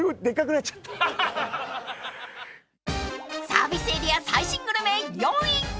［サービスエリア最新グルメ４位］